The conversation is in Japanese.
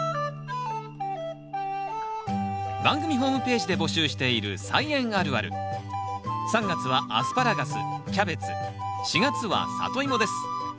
番組ホームページで募集している３月は「アスパラガスキャベツ」４月は「サトイモ」です。